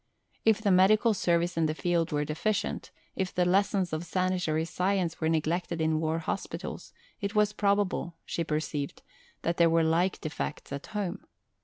If the medical service in the field were deficient, if the lessons of sanitary science were neglected in war hospitals, it was probable, she perceived, that there were like defects at home.